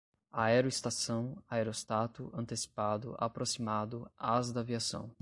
aerostação, aeróstato, antecipado, aproximado, ás da aviação